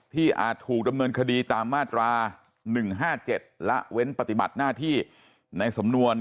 อาจถูกดำเนินคดีตามมาตรา๑๕๗ละเว้นปฏิบัติหน้าที่ในสำนวน